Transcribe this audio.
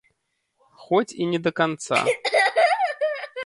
Хоць і не да канца.